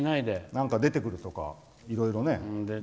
なんか出てくるとかいろいろ。